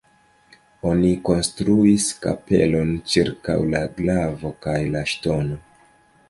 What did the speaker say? Oni konstruis kapelon ĉirkaŭ la glavo kaj la ŝtono.